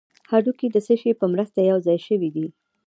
هډوکي د څه شي په مرسته یو ځای شوي دي